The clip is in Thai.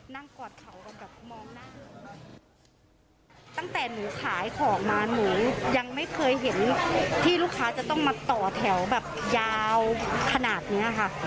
ตั้งแต่หนูขายของมาหนูยังไม่เคยเห็นที่ลูกค้าจะต้องมาต่อแถวแบบยาวขนาดนี้ค่ะ